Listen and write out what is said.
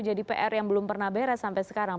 jadi pr yang belum pernah beres sampai sekarang